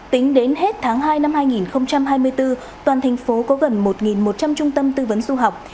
tính đến hết tháng hai năm hai nghìn hai mươi bốn toàn thành phố có gần một một trăm linh trung tâm tư vấn du học